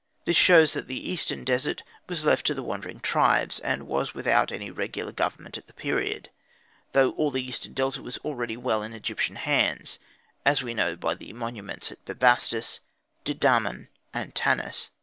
This shows that the eastern desert was left to the wandering tribes, and was without any regular government at this period; though all the eastern Delta was already well in Egyptian hands, as we know by the monuments at Bubastis, Dedamun, and Tanis.